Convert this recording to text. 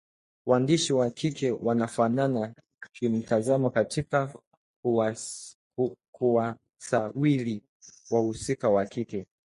Waandishi wa kike wanafanana kimtazamo katika kuwasawiri wahusika wa kike